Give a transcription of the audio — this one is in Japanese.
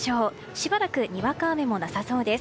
しばらくにわか雨もなさそうです。